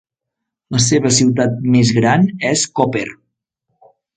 La seva ciutat més gran és Koper.